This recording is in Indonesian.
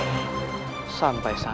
untuk memulai perjalanan